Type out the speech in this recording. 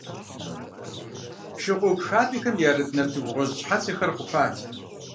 Шыгъуэгу хадэхэм ярыт нартыху гъуэжь щхьэцэхэр хъупат.